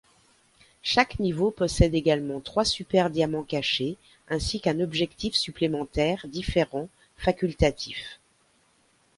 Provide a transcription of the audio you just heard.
Chaque niveau possède également trois super diamants cachés ainsi qu'un objectif supplémentaire différent facultatif.